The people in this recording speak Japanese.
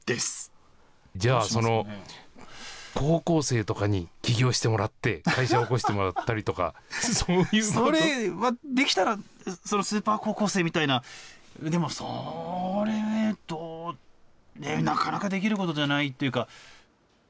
じゃあ、高校生とかに起業してもらって、会社を興してもらったりとか、そそれはできたら、スーパー高校生みたいな、でもそれ、どう、なかなかできることじゃないっていうか。